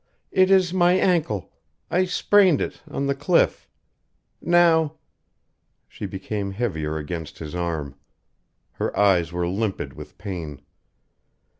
"It is my ankle. I sprained it on the cliff. Now " She became heavier against his arm. Her eyes were limpid with pain.